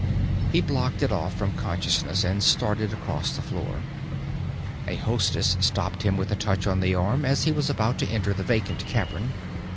He blocked it off from consciousness and started across the floor. A hostess stopped him with a touch on the arm as he was about to enter the vacant cavern.